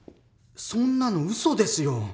そんなのウソですよ！